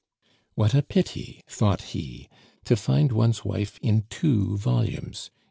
"What a pity," thought he, "to find one's wife in two volumes.